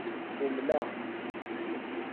Umneɣ-t.